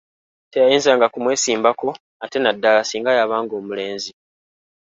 Teyayinzanga kumwesimbako ate naddala singa yabanga omulenzi.